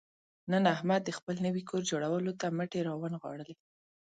نن احمد د خپل نوي کور جوړولو ته مټې را ونغاړلې.